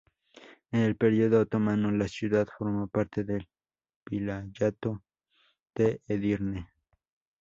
En el periodo otomano, la ciudad formó parte del vilayato de Edirne.